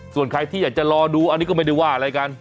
ส่วนใครที่อยากจะรอดูอันนี้ก็ไม่ได้ว่าอะไรกัน